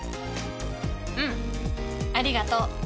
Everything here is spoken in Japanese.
うんありがとう。